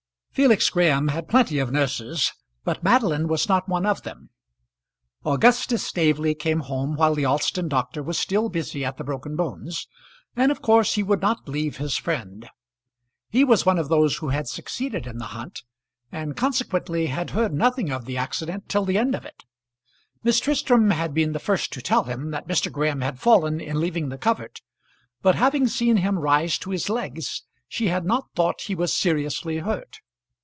Felix Graham had plenty of nurses, but Madeline was not one of them. Augustus Staveley came home while the Alston doctor was still busy at the broken bones, and of course he would not leave his friend. He was one of those who had succeeded in the hunt, and consequently had heard nothing of the accident till the end of it. Miss Tristram had been the first to tell him that Mr. Graham had fallen in leaving the covert, but having seen him rise to his legs she had not thought he was seriously hurt.